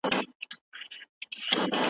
ایا ستا په ښوونځي کې کمپیوټر سته؟